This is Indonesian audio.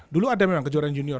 dulu ada memang kejuaraan junior